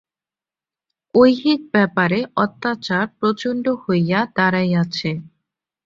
ঐহিক ব্যাপারে অত্যাচার প্রচণ্ড হইয়া দাঁড়াইয়াছে।